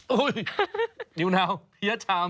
อุ้ยนิ้วเนาเพลี้ยชาม